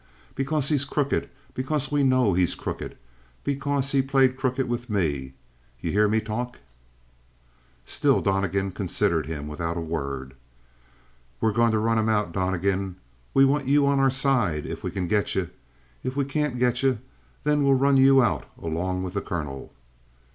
Because he's crooked, because we know he's crooked; because he played crooked with me. You hear me talk?" Still Donnegan considered him without a word. "We're goin' to run him out, Donnegan. We want you on our side if we can get you; if we can't get you, then we'll run you out along with the colonel."